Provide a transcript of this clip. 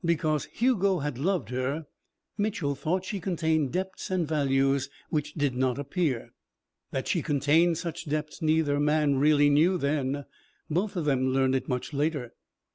Because Hugo had loved her, Mitchel thought she contained depths and values which did not appear. That she contained such depths neither man really knew then. Both of them learned it much later.